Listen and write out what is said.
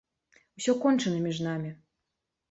Усё кончана між намі!